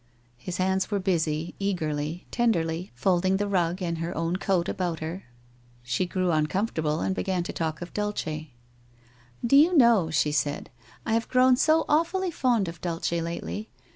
His hands were busy, eagerly, tenderly, folding the rug and her own coat about her. She grew uncomfortable, and began to talk of Dulce. 1 Do you know,' she said, * I have grown so awfully fond of Dulce lately.